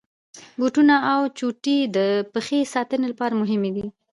بوټونه او چوټي د پښې ساتني لپاره مهمي دي.